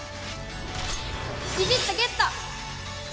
ビビッとゲット！